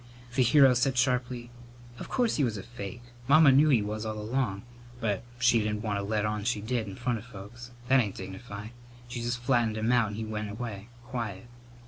The hero said sharply: "Of course he was a fake! Mamma knew he was, all along, but she didn't want to let on she did in front of folks. That ain't dignified. She just flattened him out and he went away quiet.